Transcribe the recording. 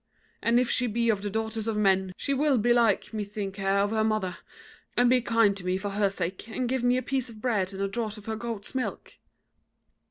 And if she be of the daughters of men, she will belike methink her of her mother, and be kind to me for her sake, and give me a piece of bread and a draught of her goats' milk.'